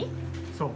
そう。